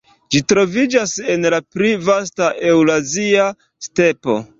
Ĝi troviĝas en la pli vasta Eŭrazia Stepo.